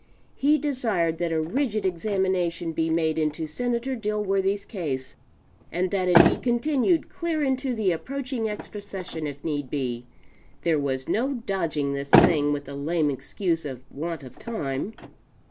He desired that a rigid examination be made into Senator Dilworthy's case, and that it be continued clear into the approaching extra session if need be. There was no dodging this thing with the lame excuse of want of time.